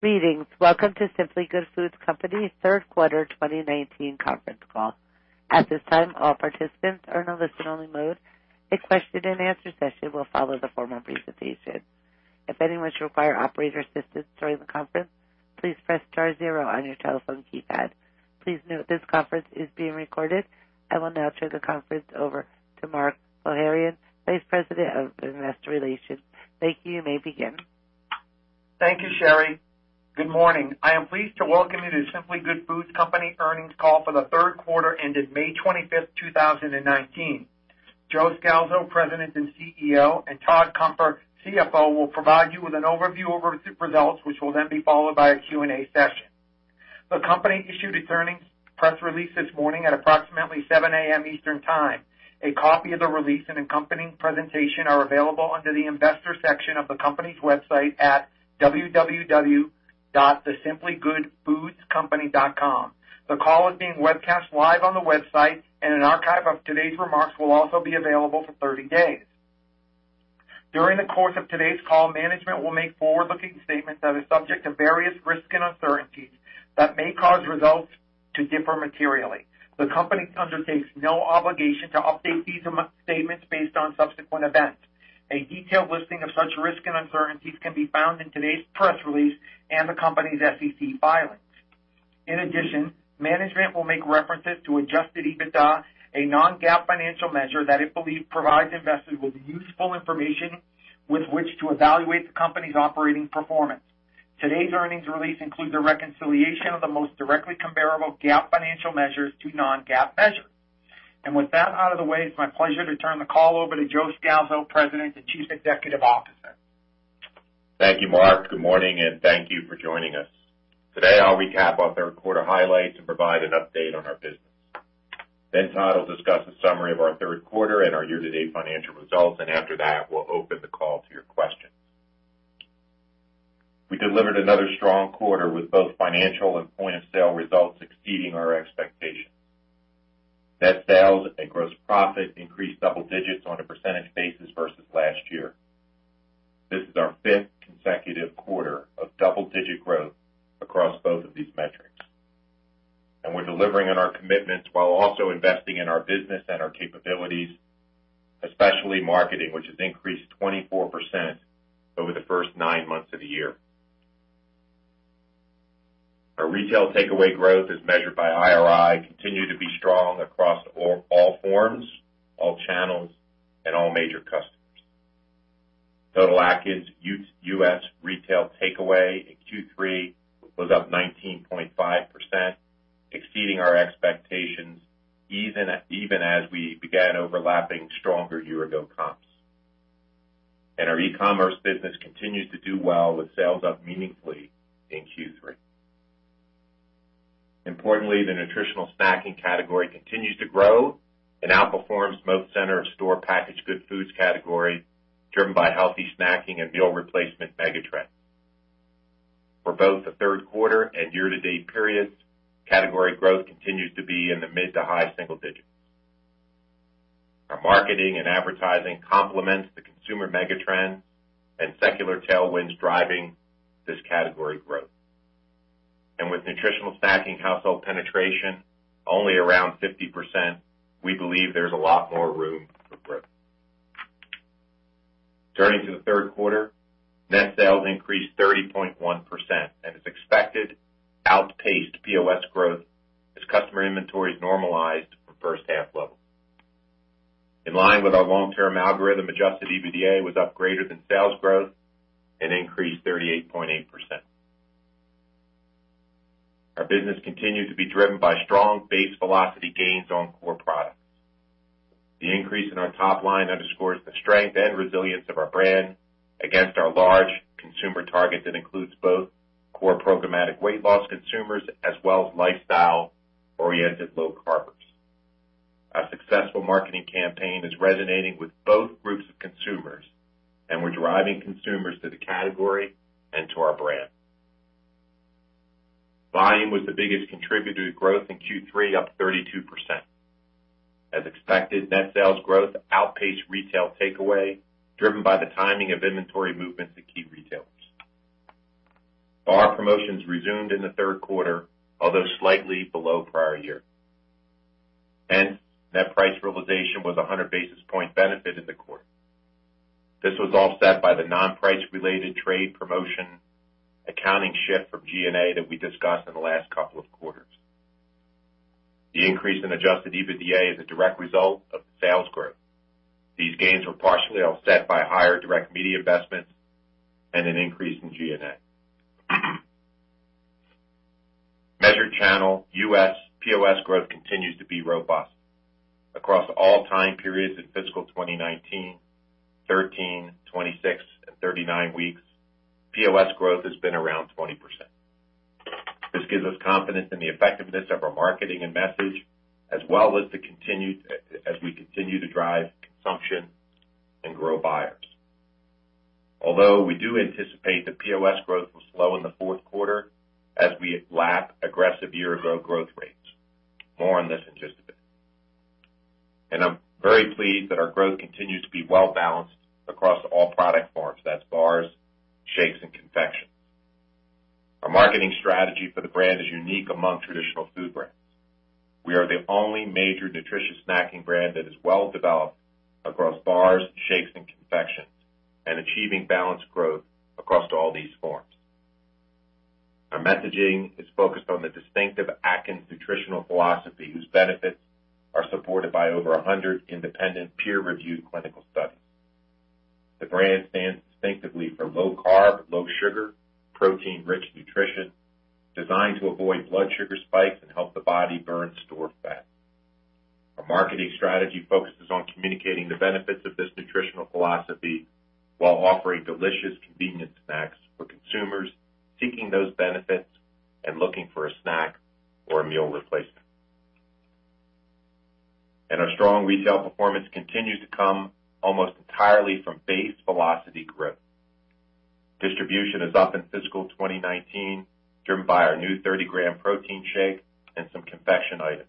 Greetings. Welcome to The Simply Good Foods Company Third Quarter 2019 Conference Call. At this time, all participants are in a listen-only mode. A question-and-answer session will follow the formal presentation. If anyone should require operator assistance during the conference, please press star zero on your telephone keypad. Please note this conference is being recorded. I will now turn the conference over to Mark Pogharian, Vice President, Investor Relations. Thank you. You may begin. Thank you, Sherry. Good morning. I am pleased to welcome you to The Simply Good Foods Company earnings call for the third quarter ended May 25th, 2019. Joe Scalzo, President and CEO, and Todd Cunfer, CFO, will provide you with an overview of our results, which will then be followed by a Q&A session. The company issued an earnings press release this morning at approximately 7:00 A.M. Eastern Time. A copy of the release and accompanying presentation are available under the investor section of the company's website at www.thesimplygoodfoodcompany.com. The call is being webcast live on the website, and an archive of today's remarks will also be available for 30 days. During the course of today's call, management will make forward-looking statements that are subject to various risks and uncertainties that may cause results to differ materially. The company undertakes no obligation to update these statements based on subsequent events. A detailed listing of such risks and uncertainties can be found in today's press release and the company's SEC filings. In addition, management will make references to adjusted EBITDA, a non-GAAP financial measure that it believes provides investors with useful information with which to evaluate the company's operating performance. Today's earnings release includes a reconciliation of the most directly comparable GAAP financial measures to non-GAAP measures. With that out of the way, it's my pleasure to turn the call over to Joe Scalzo, President and Chief Executive Officer. Thank you, Mark. Good morning, and thank you for joining us. Today, I'll recap our third quarter highlights and provide an update on our business. Todd will discuss a summary of our third quarter and our year-to-date financial results, and after that, we'll open the call to your questions. We delivered another strong quarter with both financial and point-of-sale results exceeding our expectations. Net sales and gross profit increased double digits on a percentage basis versus last year. This is our fifth consecutive quarter of double-digit growth across both of these metrics. We're delivering on our commitments while also investing in our business and our capabilities, especially marketing, which has increased 24% over the first nine months of the year. Our retail takeaway growth, as measured by IRI, continued to be strong across all forms, all channels, and all major customers. Total Atkins U.S. retail takeaway in Q3 was up 19.5%, exceeding our expectations, even as we began overlapping stronger year-ago comps. Our e-commerce business continues to do well, with sales up meaningfully in Q3. Importantly, the nutritional snacking category continues to grow and outperforms most center-of-store packaged good foods category, driven by healthy snacking and meal replacement megatrend. For both the third quarter and year-to-date periods, category growth continues to be in the mid to high single digits. Our marketing and advertising complements the consumer megatrend and secular tailwinds driving this category growth. With nutritional snacking household penetration only around 50%, we believe there's a lot more room for growth. Turning to the third quarter, net sales increased 30.1% and as expected, outpaced POS growth as customer inventories normalized from first half levels. In line with our long-term algorithm, adjusted EBITDA was up greater than sales growth and increased 38.8%. Our business continued to be driven by strong base velocity gains on core products. The increase in our top line underscores the strength and resilience of our brand against our large consumer targets that includes both core programmatic weight loss consumers as well as lifestyle-oriented low carbers. Our successful marketing campaign is resonating with both groups of consumers, and we're driving consumers to the category and to our brand. Volume was the biggest contributor to growth in Q3, up 32%. As expected, net sales growth outpaced retail takeaway, driven by the timing of inventory movements at key retailers. Our promotions resumed in the third quarter, although slightly below prior year. Net price realization was a 100 basis point benefit in the quarter. This was offset by the non-price related trade promotion accounting shift from G&A that we discussed in the last couple of quarters. The increase in adjusted EBITDA is a direct result of the sales growth. These gains were partially offset by higher direct media investments and an increase in G&A. Measured channel U.S. POS growth continues to be robust across all time periods in fiscal 2019, 13, 26, and 39 weeks, POS growth has been around 20%. This gives us confidence in the effectiveness of our marketing and message, as well as we continue to drive consumption and grow buyers. Although we do anticipate that POS growth will slow in the fourth quarter as we lap aggressive year-ago growth rates. More on this in just a bit. I'm very pleased that our growth continues to be well-balanced across all product forms, that's bars, shakes, and confections. Our marketing strategy for the brand is unique among traditional food brands. We are the only major nutritious snacking brand that is well developed across bars, shakes, and confections, and achieving balanced growth across all these forms. Our messaging is focused on the distinctive Atkins nutritional philosophy, whose benefits are supported by over 100 independent peer-reviewed clinical studies. The brand stands distinctively for low carb, low sugar, protein-rich nutrition designed to avoid blood sugar spikes and help the body burn stored fat. Our marketing strategy focuses on communicating the benefits of this nutritional philosophy while offering delicious convenience snacks for consumers seeking those benefits and looking for a snack or a meal replacement. Our strong retail performance continues to come almost entirely from base velocity growth. Distribution is up in fiscal 2019, driven by our new 30 gram protein shake and some confection items.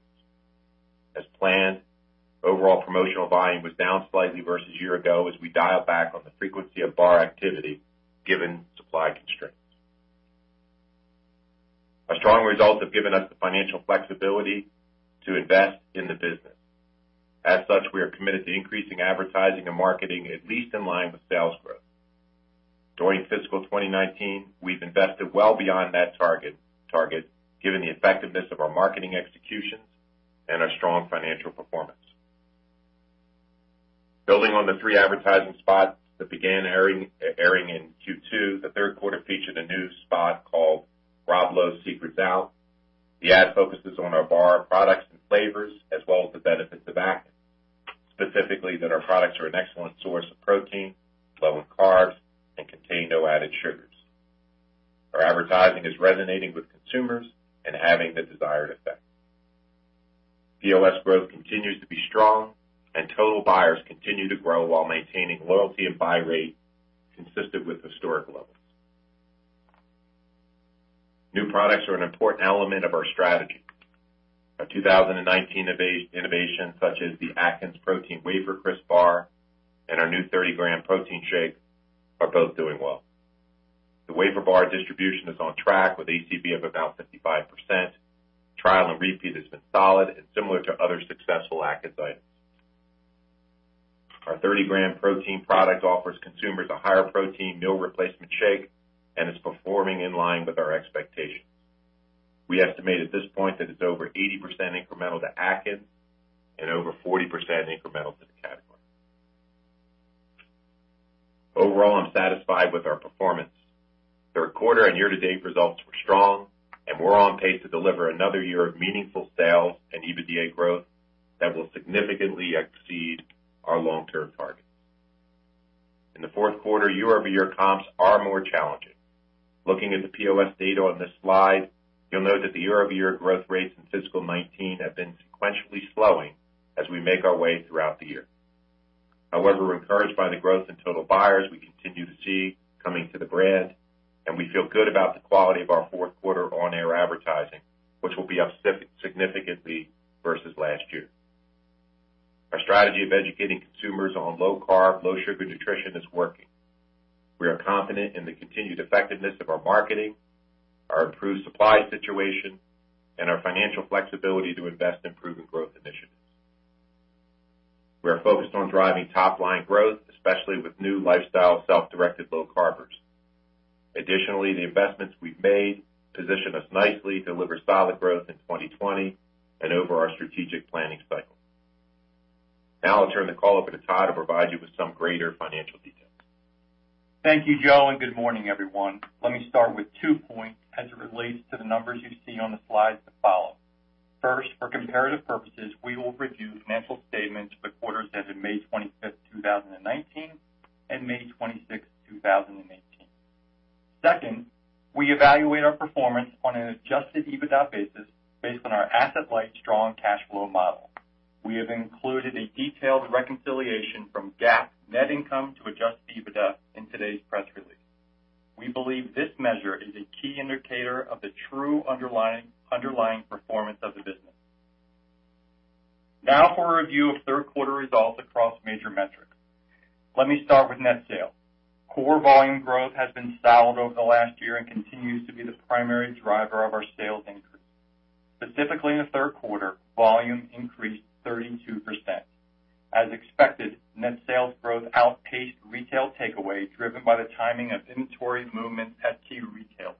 As planned, overall promotional volume was down slightly versus a year ago as we dial back on the frequency of bar activity given supply constraints. Our strong results have given us the financial flexibility to invest in the business. As such, we are committed to increasing advertising and marketing at least in line with sales growth. During fiscal 2019, we've invested well beyond that target, given the effectiveness of our marketing executions and our strong financial performance. Building on the three advertising spots that began airing in Q2, the third quarter featured a new spot called Rob Lowe's Secret's Out. The ad focuses on our bar products and flavors, as well as the benefits of Atkins. Specifically, that our products are an excellent source of protein, low in carbs, and contain no added sugars. Our advertising is resonating with consumers and having the desired effect. POS growth continues to be strong, and total buyers continue to grow while maintaining loyalty and buy rate consistent with historic levels. New products are an important element of our strategy. Our 2019 innovation, such as the Atkins Protein Wafer Crisps bar and our new 30-gram protein shake, are both doing well. The Wafer bar distribution is on track with ACB of about 55%. Trial and repeat has been solid and similar to other successful Atkins items. Our 30-gram protein product offers consumers a higher protein, meal replacement shake and is performing in line with our expectations. We estimate at this point that it's over 80% incremental to Atkins and over 40% incremental to the category. Overall, I'm satisfied with our performance. Third quarter and year-to-date results were strong, and we're on pace to deliver another year of meaningful sales and EBITDA growth that will significantly exceed our long-term targets. In the fourth quarter, year-over-year comps are more challenging. Looking at the POS data on this slide, you'll note that the year-over-year growth rates in fiscal 2019 have been sequentially slowing as we make our way throughout the year. However, we're encouraged by the growth in total buyers we continue to see coming to the brand, and we feel good about the quality of our fourth quarter on-air advertising, which will be up significantly versus last year. Our strategy of educating consumers on low carb, low sugar nutrition is working. We are confident in the continued effectiveness of our marketing, our improved supply situation, and our financial flexibility to invest in proven growth initiatives. We are focused on driving top-line growth, especially with new lifestyle, self-directed low carbers. Additionally, the investments we've made position us nicely to deliver solid growth in 2020 and over our strategic planning cycle. Now I'll turn the call over to Todd to provide you with some greater financial details. Thank you, Joe, and good morning, everyone. Let me start with two points as it relates to the numbers you see on the slides that follow. First, for comparative purposes, we will review financial statements for quarters ended May 25th, 2019, and May 26th, 2018. Second, we evaluate our performance on an adjusted EBITDA basis based on our asset-light strong cash flow model. We have included a detailed reconciliation from GAAP net income to adjusted EBITDA in today's press release. We believe this measure is a key indicator of the true underlying performance of the business. Now for a review of third quarter results across major metrics. Let me start with net sales. Core volume growth has been solid over the last year and continues to be the primary driver of our sales increase. Specifically, in the third quarter, volume increased 32%. As expected, net sales growth outpaced retail takeaway, driven by the timing of inventory movements at key retailers.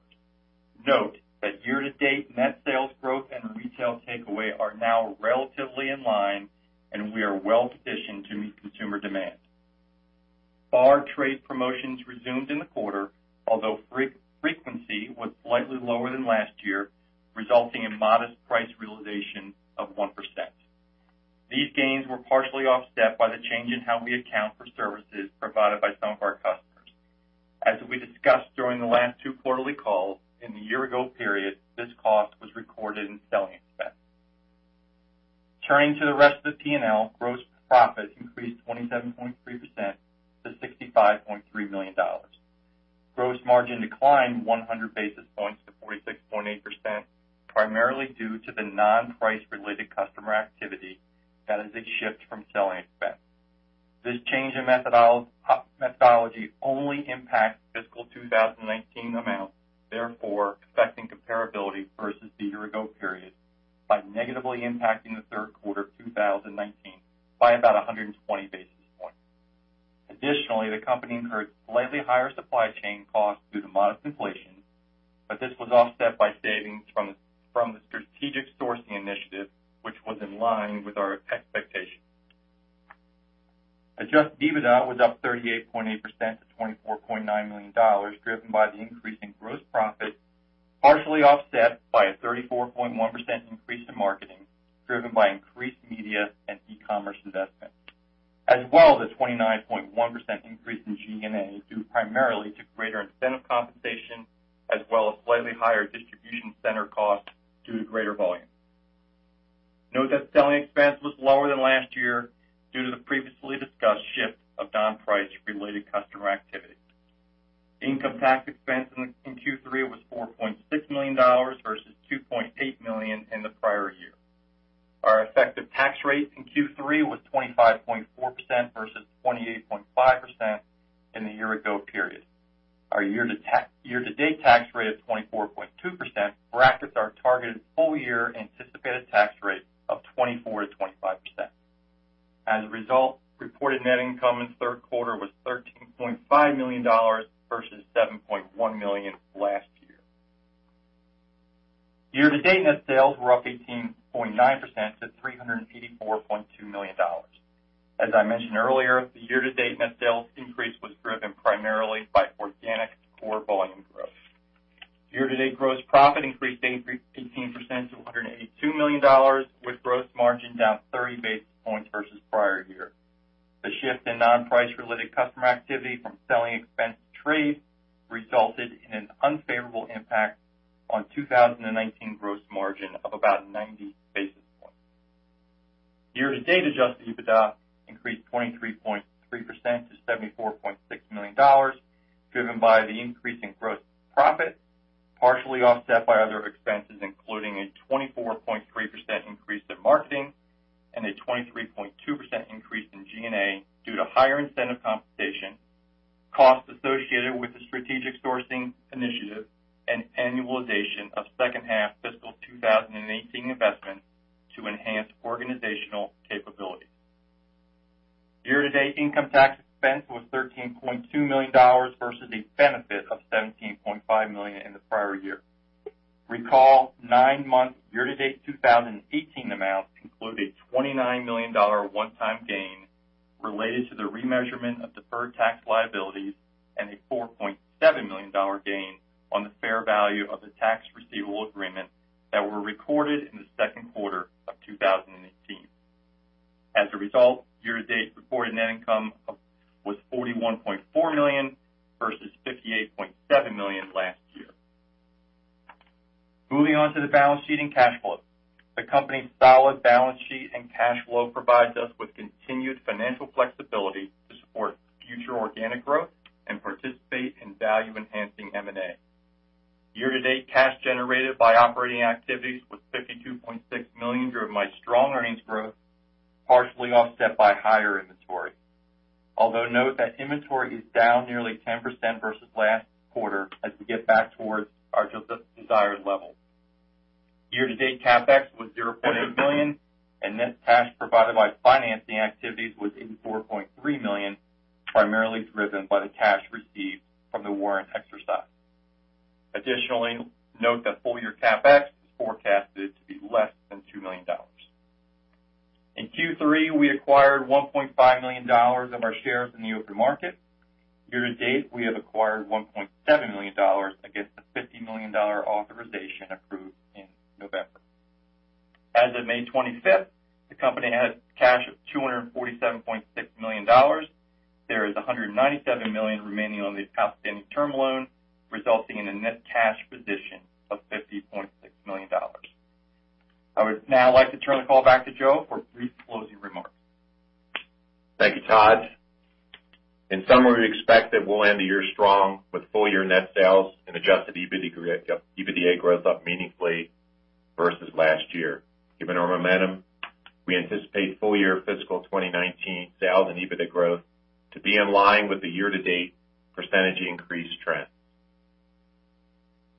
Note that year-to-date net sales growth and retail takeaway are now relatively in line, and we are well-positioned to meet consumer demand. Bar trade promotions resumed in the quarter, although frequency was slightly lower than last year, resulting in modest price realization of 1%. These gains were partially offset by the change in how we account for services provided by some of our customers. As we discussed during the last two quarterly calls, in the year-ago period, this cost was recorded in selling expenses. Turning to the rest of the P&L, gross profit increased 27.3% to $65.3 million. Gross margin declined 100 basis points to 46.8%, primarily due to the non-price related customer activity that is a shift from selling expense. This change in methodology only impacts fiscal 2019 amounts, therefore affecting comparability versus the year-ago period by negatively impacting the third quarter of 2019 by about 120 basis points. Additionally, the company incurred slightly higher supply chain costs due to modest inflation, but this was offset by savings from the strategic sourcing initiative, which was in line with our expectations. Adjusted EBITDA was up 38.8% to $24.9 million, driven by the increase in gross profit, partially offset by a 34.1% increase in marketing driven by increased media and e-commerce investment, as well as a 29.1% increase in G&A, due primarily to partially offset by higher inventory. Although note that inventory is down nearly 10% versus last quarter as we get back towards our desired level. Year-to-date CapEx was $0.8 million, and net cash provided by financing activities was $84.3 million, primarily driven by the cash received from the warrant exercise. Additionally, note that full-year CapEx is forecasted to be less than $2 million. In Q3, we acquired $1.5 million of our shares in the open market. Year-to-date, we have acquired $1.7 million against the $50 million authorization approved in November. As of May 25th, the company had cash of $247.6 million. There is $197 million remaining on the outstanding term loan, resulting in a net cash position of $50.6 million. I would now like to turn the call back to Joe for brief closing remarks. Thank you, Todd. In summary, we expect that we'll end the year strong with full-year net sales and adjusted EBITDA growth up meaningfully versus last year. Given our momentum, we anticipate full-year fiscal 2019 sales and EBITDA growth to be in line with the year-to-date percentage increase trend.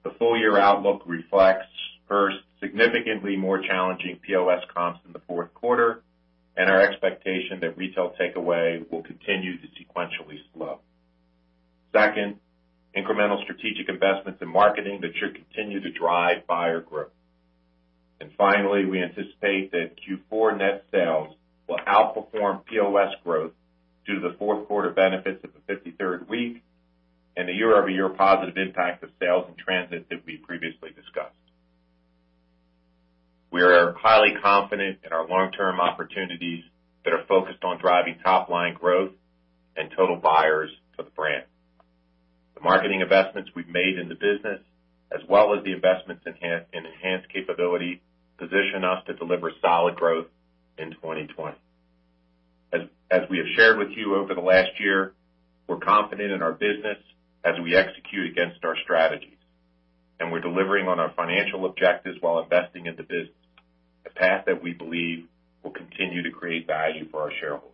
The full-year outlook reflects, first, significantly more challenging POS comps in the fourth quarter and our expectation that retail takeaway will continue to sequentially slow. Second, incremental strategic investments in marketing that should continue to drive buyer growth. Finally, we anticipate that Q4 net sales will outperform POS growth due to the fourth quarter benefits of the 53rd week and the year-over-year positive impact of sales in transit that we previously discussed. We are highly confident in our long-term opportunities that are focused on driving top-line growth and total buyers to the brand. The marketing investments we've made in the business, as well as the investments in enhanced capability, position us to deliver solid growth in 2020. As we have shared with you over the last year, we're confident in our business as we execute against our strategies. We're delivering on our financial objectives while investing in the business, a path that we believe will continue to create value for our shareholders.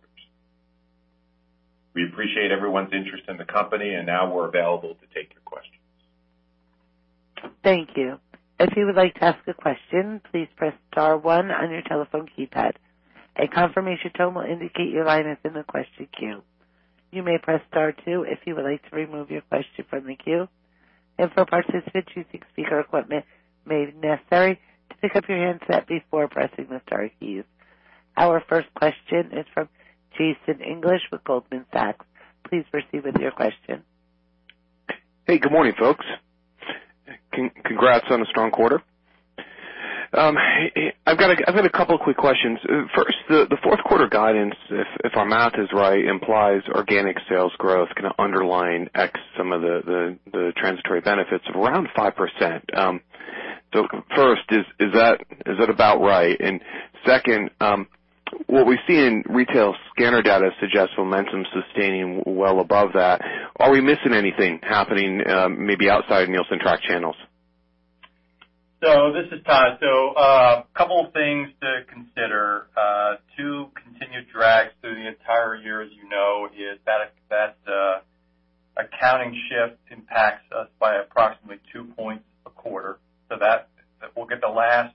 We appreciate everyone's interest in the company. Now we're available to take your questions. Thank you. If you would like to ask a question, please press star one on your telephone keypad. A confirmation tone will indicate your line is in the question queue. You may press star two if you would like to remove your question from the queue. For participants who think speaker equipment may be necessary, pick up your handset before pressing the star keys. Our first question is from Jason English with Goldman Sachs. Please proceed with your question. Hey, good morning, folks. Congrats on a strong quarter. I've got a couple of quick questions. First, the fourth quarter guidance, if our math is right, implies organic sales growth, kind of underlying x some of the transitory benefits of around 5%. First, is that about right? Second, what we see in retail scanner data suggests momentum sustaining well above that. Are we missing anything happening maybe outside Nielsen-track channels? This is Todd. A couple things to consider. Two continued drags through the entire year, as you know, is that accounting shift impacts us by approximately two points a quarter. That, we'll get the last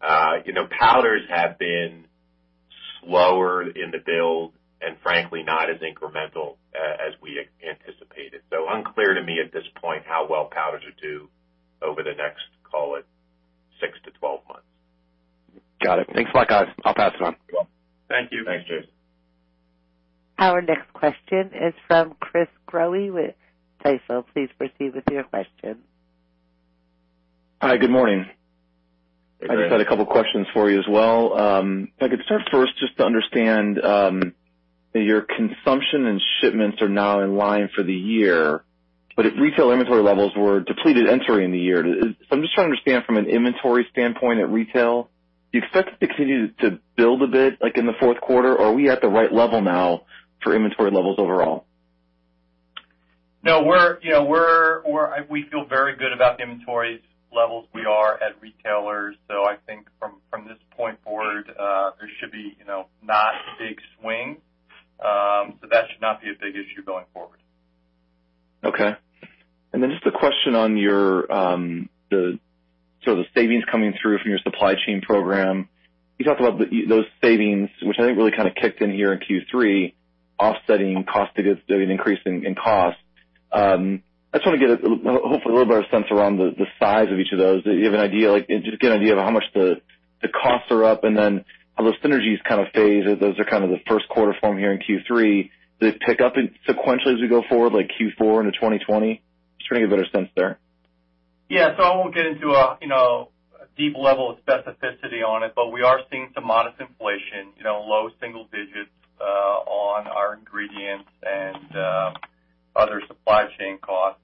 Powders have been slower in the build and frankly not as incremental as we anticipated. Unclear to me at this point how well powders will do over the next, call it, six to 12 months. Got it. Thanks a lot, guys. I'll pass it on. Thank you. Thanks, Jason. Our next question is from Chris Growe with Stifel. Please proceed with your question. Hi, good morning. Hey, Chris Growe. I just had a couple questions for you as well. If I could start first just to understand that your consumption and shipments are now in line for the year, if retail inventory levels were depleted entering the year. I'm just trying to understand from an inventory standpoint at retail, do you expect it to continue to build a bit, like in the fourth quarter? Are we at the right level now for inventory levels overall? No, we feel very good about the inventory levels we are at retailers. I think from this point forward, there should be not a big swing. That should not be a big issue going forward. Okay. Just a question on the savings coming through from your supply chain program. You talked about those savings, which I think really kind of kicked in here in Q3, offsetting cost against doing an increase in cost. I just want to get, hopefully, a little better sense around the size of each of those. Do you have an idea, like just get an idea of how much the costs are up and then how those synergies kind of phase as those are the first quarter from here in Q3? Do they pick up sequentially as we go forward, like Q4 into 2020? Just trying to get a better sense there. Yeah. I won't get into a deep level of specificity on it, but we are seeing some modest inflation, low single digits on our ingredients and other supply chain costs.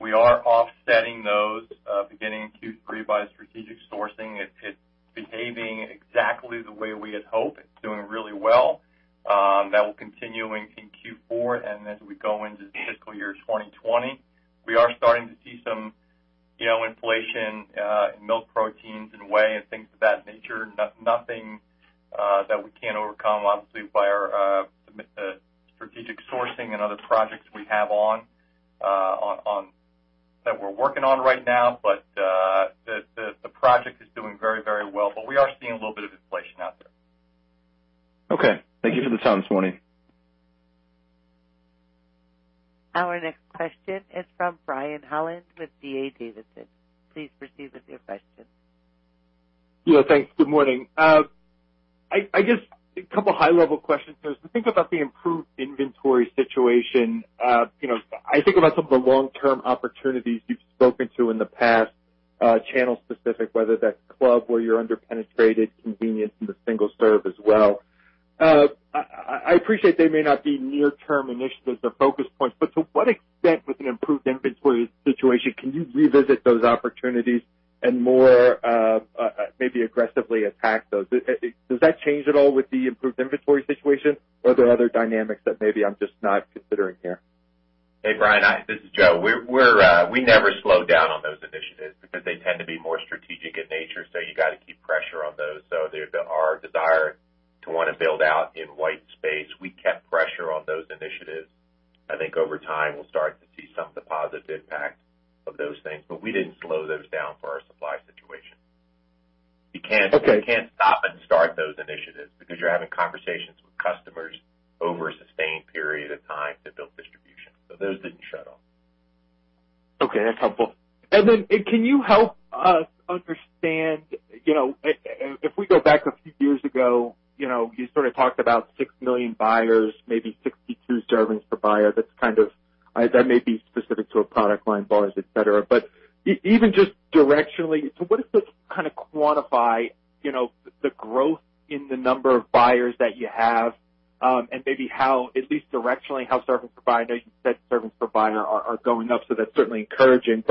We are offsetting those beginning in Q3 by strategic sourcing. It's behaving exactly the way we had hoped. It's doing really well. That will continue in Q4 and as we go into fiscal year 2020. We are starting to see some inflation in milk proteins and whey and things of that nature. Nothing that we can't overcome, obviously, by our strategic sourcing and other projects we have on that we're working on right now. The project is doing very, very well. We are seeing a little bit of inflation out there. Okay. Thank you for the time this morning. Our next question is from Brian Holland with D.A. Davidson. Please proceed with your question. Thanks. Good morning. I guess a couple of high-level questions. As we think about the improved inventory situation, I think about some of the long-term opportunities you've spoken to in the past, channel-specific, whether that's club where you're under-penetrated, convenience in the single-serve as well. I appreciate they may not be near-term initiatives or focus points, but to what extent with an improved inventory situation can you revisit those opportunities and more maybe aggressively attack those? Does that change at all with the improved inventory situation? Are there other dynamics that maybe I'm just not considering here? Hey, Brian, this is Joe. We never slowed down on those initiatives because they tend to be more strategic in nature, you got to keep pressure on those. Our desire to want to build out in white space, we kept pressure on those initiatives. I think over time, we'll start to see some of the positive impacts of those things, but we didn't slow those down for our supply situation. Okay. You can't stop and start those initiatives because you're having conversations with customers over a sustained period of time to build distribution. Those didn't shut off. Okay, that's helpful. Can you help us understand, if we go back a few years ago, you sort of talked about 6 million buyers, maybe 62 servings per buyer. That may be specific to a product line, bars, et cetera, but even just directionally, what is the kind of quantify, the growth in the number of buyers that you have? Maybe how, at least directionally, how servings per buyer, I know you said servings per buyer are going up, that's certainly encouraging.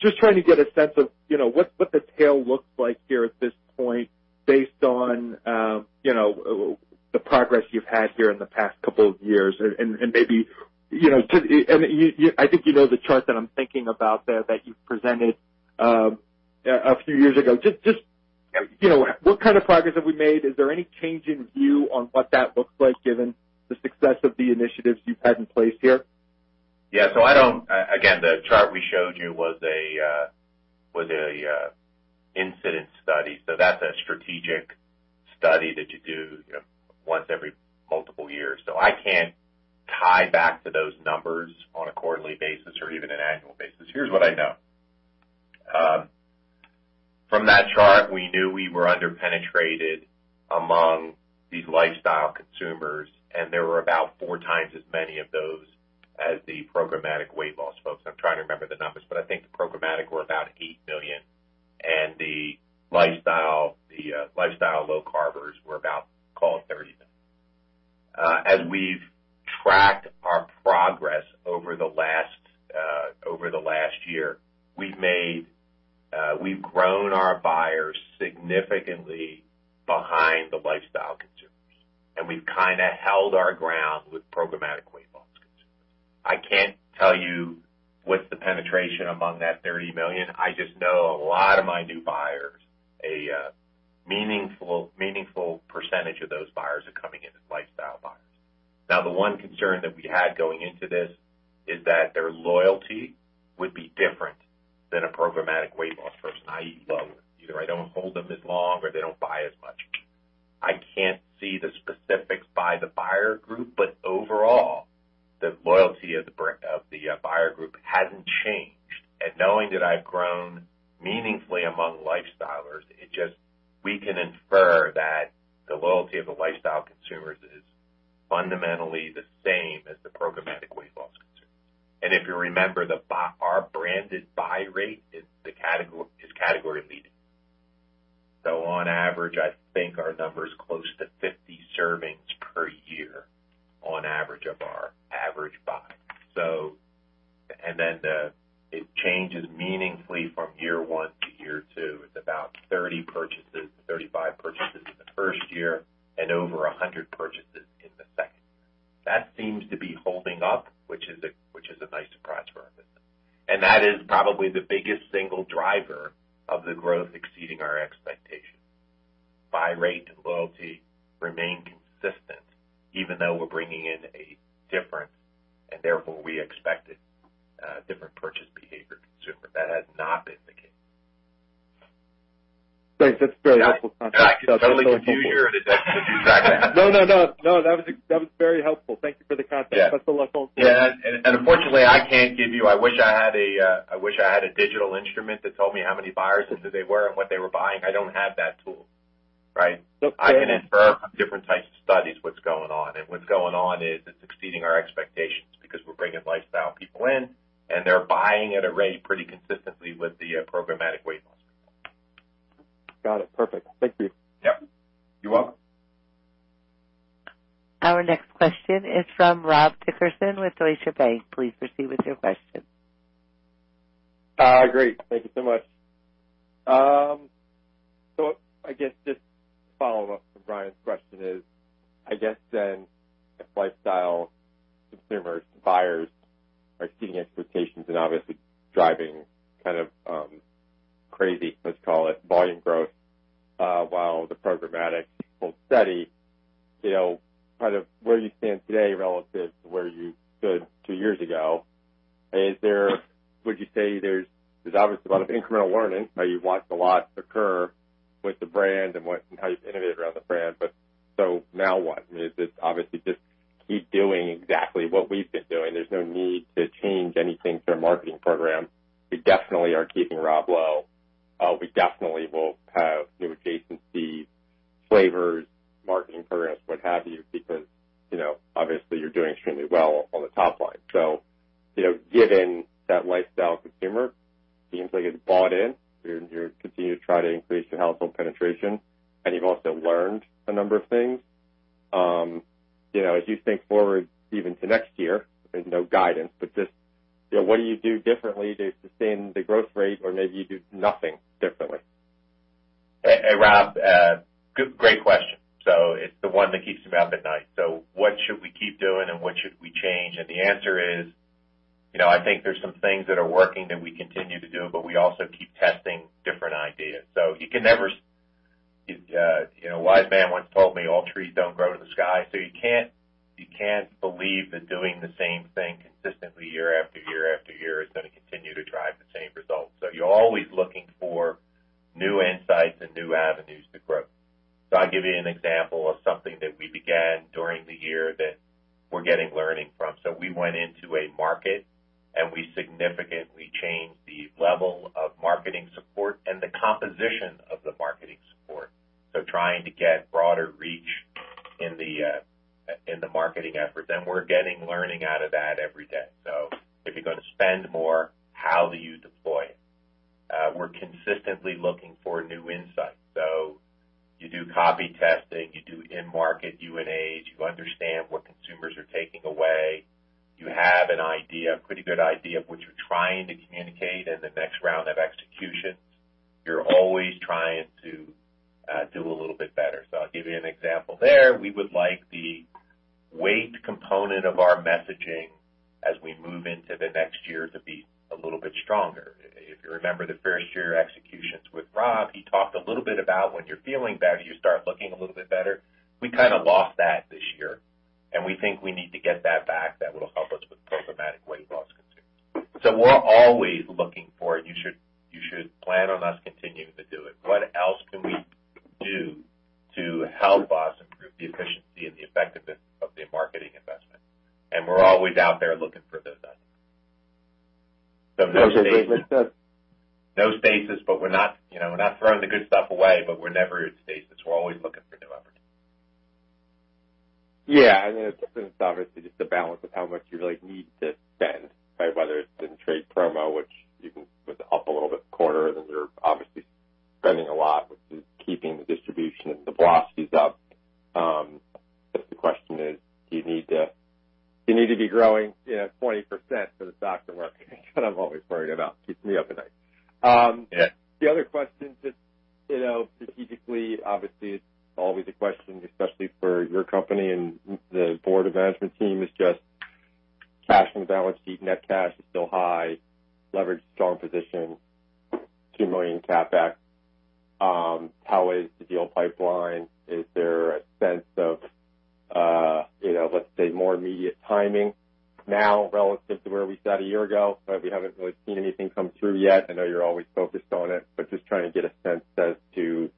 Just trying to get a sense of what the tail looks like here at this point based on the progress you've had here in the past couple of years and maybe, I think you know the chart that I'm thinking about that you've presented a few years ago. Just what kind of progress have we made? Is there any change in view on what that looks like given the success of the initiatives you've had in place here? Yeah. I don't Again, the chart we showed you was a incident study. That's a strategic study that you do once every multiple years. I can't tie back to those numbers on a quarterly basis or even an annual basis. Here's what I know. From that chart, we knew we were under-penetrated among these lifestyle consumers, and there were about four times as many of those as the programmatic weight loss folks. I'm trying to remember the numbers, but I think the programmatic were about 8 million, and the lifestyle low carbers were about, call it 30 million. As we've tracked our progress over the last year, we've grown our buyers significantly behind the lifestyle consumers. We've kind of held our ground with programmatic weight loss consumers. I can't tell you what's the penetration among that 30 million. I just know a lot of my new buyers, a meaningful percentage of those buyers are coming in as lifestyle buyers. The one concern that we had going into this is that their loyalty would be different than a programmatic weight loss person, i.e., lower. Either I don't hold them as long or they don't buy as much. I can't see the specifics by the buyer group, but overall, the loyalty of the buyer group hasn't changed. Knowing that I've grown meaningfully among lifestylers, we can infer that the loyalty of the lifestyle consumers is fundamentally the same as the programmatic weight loss consumer. If you remember, our branded buy rate is category leading. On average, I think our number is close to 50 servings per year on average of our average buy. It changes meaningfully from year one to year two. It's about 30 purchases to 35 purchases in the first year and over 100 purchases in the second. That seems to be holding up, which is a nice surprise for our business. That is probably the biggest single driver of the growth exceeding our expectations. Buy rate and loyalty remain consistent even though we're bringing in a different, and therefore we expected, different purchase behavior consumer. That has not been the case. Great. That's very helpful context. That can totally confuse you or it doesn't do exactly. No, that was very helpful. Thank you for the context. That's all I was looking for. Unfortunately, I wish I had a digital instrument that told me how many buyers and who they were and what they were buying. I don't have that tool. Right? Okay. I can infer from different types of studies what's going on. What's going on is it's exceeding our expectations because we're bringing lifestyle people in and they're buying at a rate pretty consistently with the programmatic weight loss people. Got it. Perfect. Thank you. Yep. You're welcome. Our next question is from Rob Dickerson with Deutsche Bank. Please proceed with your question. Great. Thank you so much. I guess just to follow up from Brian's question is, I guess then if lifestyle consumers, buyers are exceeding expectations and obviously driving kind of crazy, let's call it, volume growth, while the programmatic is holding steady, where do you stand today relative to where you stood two years ago? Would you say there's obviously a lot of incremental learning, how you've watched a lot occur with the brand and how you've innovated around the brand. Now what? Is this obviously just keep doing exactly what we've been doing? There's no need to change anything to our marketing program. We definitely are keeping Rob Lowe. We definitely will have new adjacencies, flavors, marketing programs, what have you, because obviously, you're doing extremely well on the top line. Given that lifestyle consumer seems like it's bought in, you continue to try to increase your household penetration, and you've also learned a number of things. As you think forward even to next year, there's no guidance, but just what do you do differently to sustain the growth rate? Or maybe you do nothing differently. Rob, great question. It's the one that keeps me up at night. What should we keep doing and what should we change? The answer is, I think there's some things that are working that we continue to do, but we also keep testing different ideas. A wise man once told me all trees don't grow to the sky, you can't believe that doing the same thing consistently year after year is going to continue to drive the same results. You're always looking for new insights and new avenues to grow. I'll give you an example of something that we began during the year that we're getting learning from. We went into a market, and we significantly changed the level of marketing support and the composition of the marketing support. Trying to get broader reach in the marketing efforts, we're getting learning out of that every day. If you're going to spend more, how do you deploy it? We're consistently looking for new insights. You do copy testing, you do in-market U&A, you understand what consumers are taking away. You have a pretty good idea of what you're trying to communicate in the next round of executions. You're always trying to do a little bit better. I'll give you an example there. We would like the weight component of our messaging as we move into the next year to be a little bit stronger. If you remember the first year executions with Rob, he talked a little bit about when you're feeling better, you start looking a little bit better. We kind of lost that this year, we think we need to get that back. That will help us with programmatic weight loss concerns. We're always looking for it. You should plan on us continuing to do it. What else can we do to help us improve the efficiency and the effectiveness of the marketing investment? We're always out there looking for those items. Okay. No stasis, we're not throwing the good stuff away, we're never at stasis. We're always looking for new opportunities. Yeah. I mean, it's obviously just a balance of how much you really need to spend, right? Whether it's in trade promo, which you can put up a little bit quarter, you're obviously spending a lot, which is keeping the distribution and the velocities up. The question is, do you need to be growing 20% for the stock to work? That I'm always worried about, keeps me up at night. Yeah. The other question, just strategically, obviously, it's always a question, especially for your company and the board of management team is just cash on the balance sheet, net cash is still high, leverage strong position, $2 million CapEx. How is the deal pipeline? Is there a sense of, let's say, more immediate timing now relative to where we sat a year ago? We haven't really seen anything come through yet. I know you're always focused on it, but just trying to get a sense as to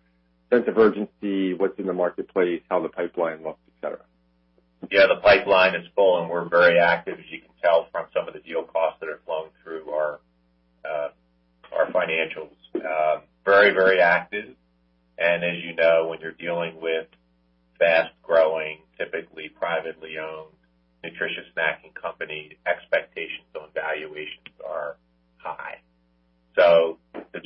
sense of urgency, what's in the marketplace, how the pipeline looks, et cetera. Yeah, the pipeline is full, and we're very active, as you can tell from some of the deal costs that are flowing through our financials. Very active. As you know, when you're dealing with fast-growing, typically privately owned, nutritious snacking company, expectations on valuations are high. The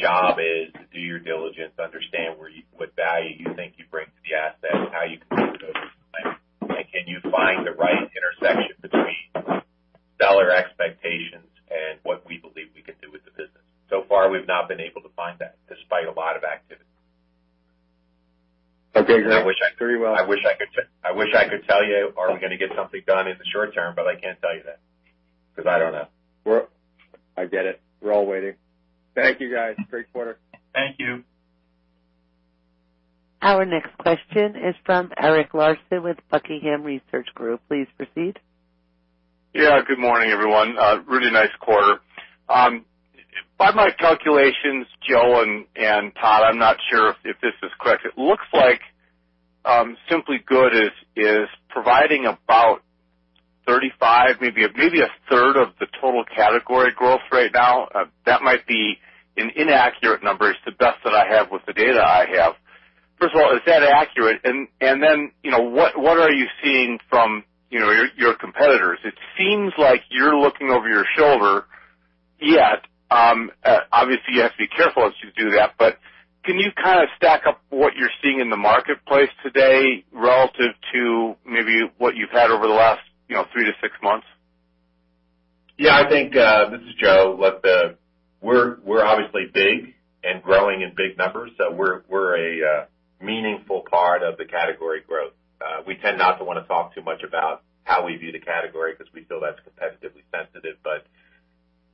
job is to do your diligence, understand what value you think you bring to the asset, and how you can move those and can you find the right intersection between seller expectations and what we believe we can do with the business. So far, we've not been able to find that despite a lot of activity. Okay, great. I wish I could tell you, are we going to get something done in the short term? But I can't tell you that because I don't know. I get it. We're all waiting. Thank you, guys. Great quarter. Thank you. Our next question is from Eric Larson with The Buckingham Research Group. Please proceed. Yeah, good morning, everyone. Really nice quarter. By my calculations, Joe and Todd, I'm not sure if this is correct. It looks like Simply Good is providing about 35, maybe a third of the total category growth right now. That might be an inaccurate number. It's the best that I have with the data I have. First of all, is that accurate? What are you seeing from your competitors? It seems like you're looking over your shoulder yet. Obviously, you have to be careful as you do that, but can you stack up what you're seeing in the marketplace today relative to maybe what you've had over the last three to six months? Yeah, I think, this is Joe. Look, we're obviously big and growing in big numbers, so we're a meaningful part of the category growth. We tend not to want to talk too much about how we view the category because we feel that's competitively sensitive,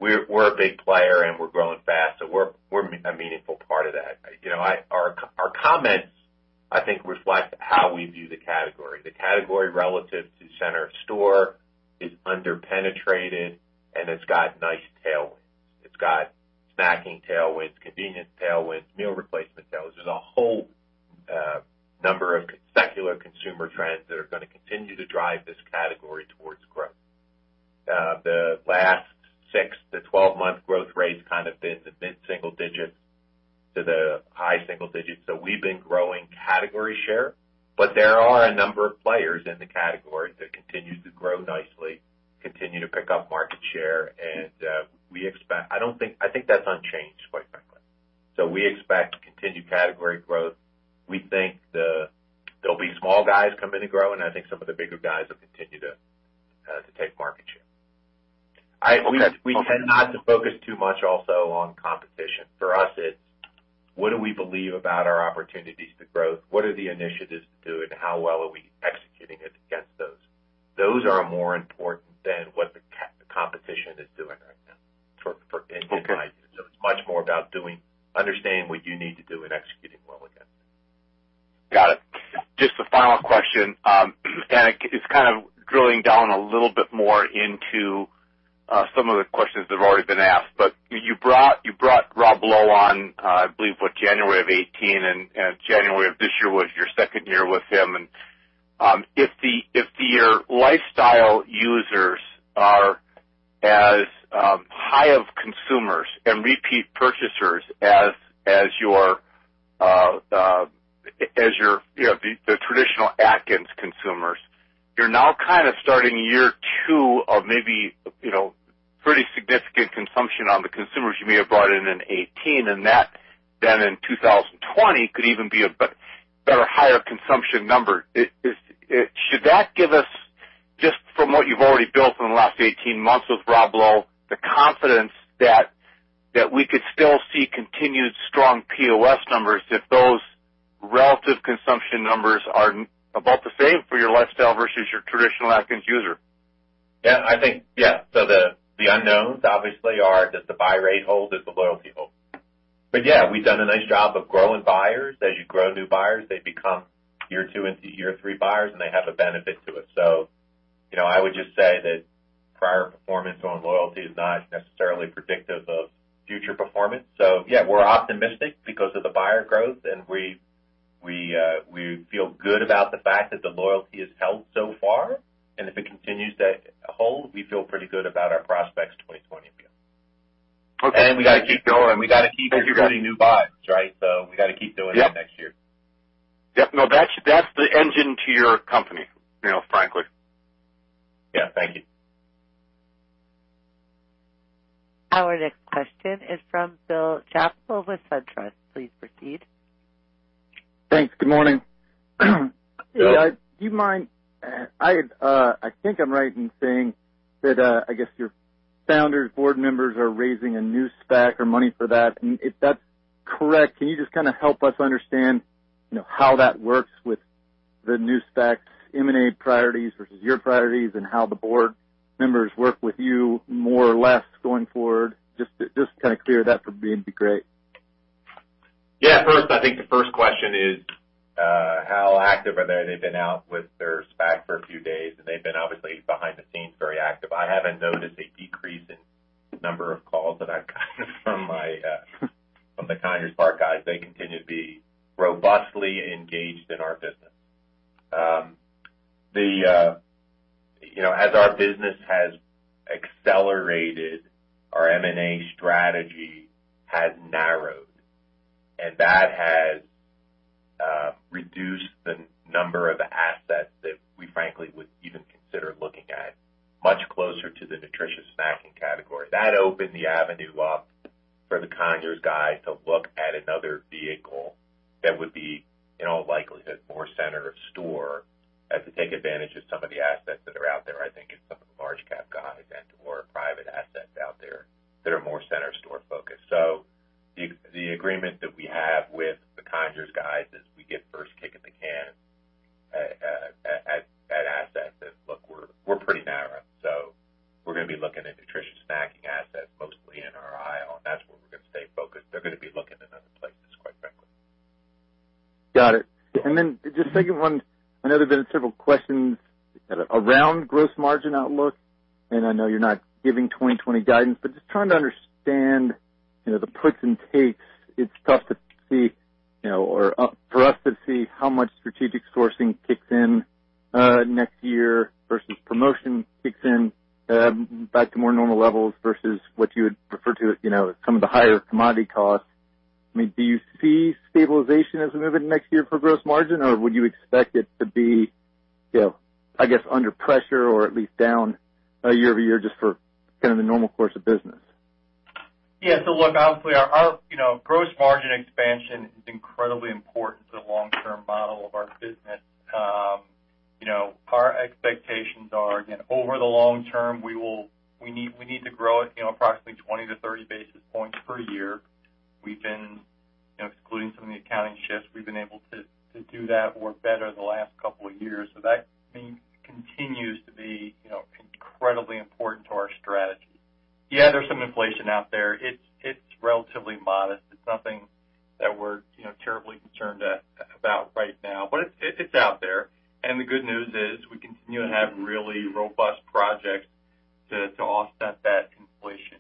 but we're a big player and we're growing fast, so we're a meaningful part of that. Our comments, I think, reflect how we view the category. The category relative to center of store is under-penetrated and it's got nice tailwinds. Snacking tailwinds, convenience tailwinds, meal replacement tailwinds. There's a whole number of secular consumer trends that are going to continue to drive this category towards growth. The last six to 12-month growth rates kind of been the mid-single digits to the high single digits. We've been growing category share, but there are a number of players in the category that continue to grow nicely, continue to pick up market share. I think that's unchanged, quite frankly. We expect continued category growth. We think there'll be small guys come in and grow, and I think some of the bigger guys will continue to take market share. Okay. We tend not to focus too much also on competition. For us, it's what do we believe about our opportunities to growth? What are the initiatives to do, and how well are we executing it against those? Those are more important than what the competition is doing right now for in my view. Okay. It's much more about understanding what you need to do and executing well against it. Got it. Just a final question. It's kind of drilling down a little bit more into some of the questions that have already been asked. You brought Rob Lowe on, I believe, what, January of 2018 and January of this year was your second year with him. If your lifestyle users are as high of consumers and repeat purchasers as the traditional Atkins consumers, you're now kind of starting year two of maybe pretty significant consumption on the consumers you may have brought in in 2018, and that then in 2020 could even be a better, higher consumption number. Should that give us, just from what you've already built in the last 18 months with Rob Lowe, the confidence that we could still see continued strong POS numbers if those relative consumption numbers are about the same for your lifestyle versus your traditional Atkins user? I think. Yeah. The unknowns obviously are does the buy rate hold, does the loyalty hold? Yeah, we've done a nice job of growing buyers. As you grow new buyers, they become year two into year three buyers, and they have a benefit to us. I would just say that prior performance on loyalty is not necessarily predictive of future performance. Yeah, we're optimistic because of the buyer growth, and we feel good about the fact that the loyalty has held so far, and if it continues to hold, we feel pretty good about our prospects 2020 view. Okay. We got to keep going. We got to keep recruiting new buyers, right? We got to keep doing it next year. Yep. No, that's the engine to your company, frankly. Yeah. Thank you. Our next question is from Bill Chappell with SunTrust. Please proceed. Thanks. Good morning. Bill. Do you mind, I think I'm right in saying that, I guess your founders, board members are raising a new SPAC or money for that. If that's correct, can you just kind of help us understand how that works with the new SPACs M&A priorities versus your priorities and how the board members work with you more or less going forward? Just to kind of clear that for me would be great. First, I think the first question is, how active are they? They've been out with their SPAC for a few days, and they've been obviously behind the scenes, very active. I haven't noticed a decrease in number of calls that I've gotten from the Conyers Park guys. They continue to be robustly engaged in our business. As our business has accelerated, our M&A strategy has narrowed, and that has reduced the number of assets that we frankly would even consider looking at much closer to the nutritious snacking category. That opened the avenue up for the Conyers guys to look at another vehicle that would be in all likelihood, more center of store as we take advantage of some of the assets that are out there, I think in some of the large cap guys and/or private assets out there that are more center store focused. The agreement that we have with the Conyers guys is we get first kick at the can at assets that look, we're pretty narrow. We're going to be looking at nutritious snacking assets mostly in our aisle, and that's where we're going to stay focused. They're going to be looking in other places, quite frankly. Got it. Just second one, I know there have been several questions around gross margin outlook, and I know you're not giving 2020 guidance, but just trying to understand the puts and takes. It's tough for us to see how much strategic sourcing kicks in next year versus promotion kicks in back to more normal levels versus what you would refer to as some of the higher commodity costs. Do you see stabilization as a movement next year for gross margin, or would you expect it to be under pressure or at least down year-over-year just for kind of the normal course of business? Yeah. Look, obviously our gross margin expansion is incredibly important to the long-term model of our business. Our expectations are over the long term, we need to grow at approximately 20-30 basis points per year. Excluding some of the accounting shifts, we've been able to do that or better the last couple of years. That continues to be incredibly important to our strategy. Yeah, there's some inflation out there. It's relatively modest. It's nothing. We're terribly concerned about right now. It's out there, and the good news is we continue to have really robust projects to offset that inflation.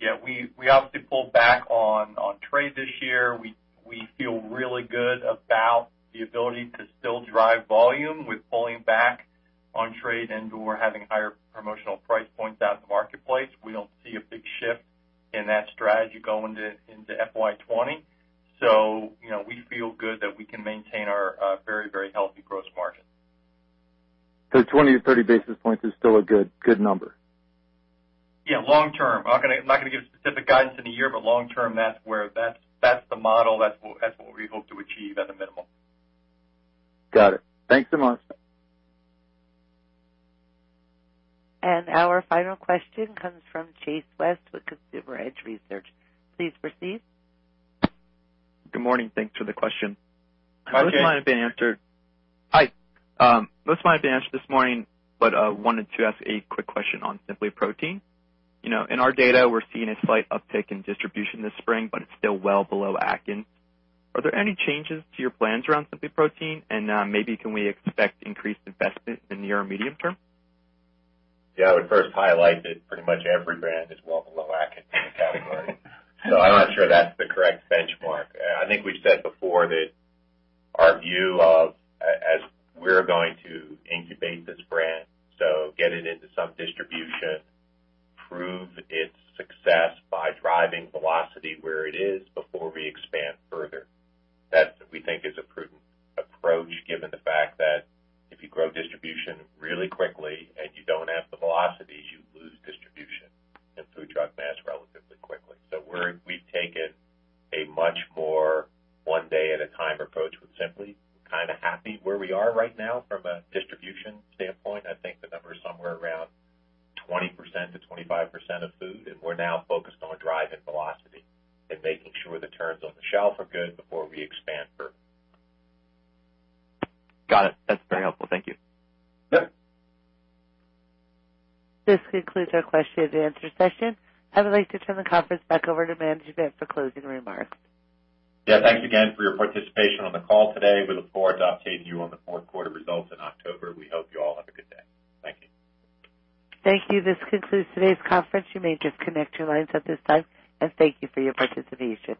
We obviously pulled back on trade this year. We feel really good about the ability to still drive volume with pulling back on trade and/or having higher promotional price points out in the marketplace. We don't see a big shift in that strategy going into FY 2020. We feel good that we can maintain our very healthy gross margin. 20 to 30 basis points is still a good number? Yeah. Long term. I'm not going to give specific guidance in a year, long term, that's the model. That's what we hope to achieve at a minimum. Got it. Thanks so much. Our final question comes from Chase West with Consumer Edge Research. Please proceed. Good morning. Thanks for the question. Hi, Chase. Most of mine have been answered. Hi. Most of mine have been answered this morning, wanted to ask a quick question on SimplyProtein. In our data, we're seeing a slight uptick in distribution this spring, but it's still well below Atkins. Are there any changes to your plans around SimplyProtein? Maybe can we expect increased investment in the near or medium term? Yeah. I would first highlight that pretty much every brand is well below Atkins in the category. I'm not sure that's the correct benchmark. I think we've said before that our view of, as we're going to incubate this brand, get it into some distribution, prove its success by driving velocity where it is before we expand further. That, we think, is a prudent approach, given the fact that if you grow distribution really quickly and you don't have the velocity, you lose distribution in food, drug, mass relatively quickly. We've taken a much more one day at a time approach with Simply. Kind of happy where we are right now from a distribution standpoint. I think the number is somewhere around 20%-25% of food, we're now focused on driving velocity and making sure the turns on the shelf are good before we expand further. Got it. That's very helpful. Thank you. Yep. This concludes our question-and-answer session. I would like to turn the conference back over to management for closing remarks. Yeah. Thanks again for your participation on the call today. We look forward to updating you on the fourth quarter results in October. We hope you all have a good day. Thank you. Thank you. This concludes today's conference. You may disconnect your lines at this time, and thank you for your participation.